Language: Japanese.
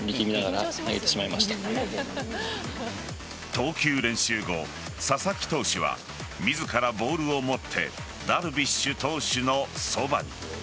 投球練習後、佐々木投手は自らボールを持ってダルビッシュ投手のそばに。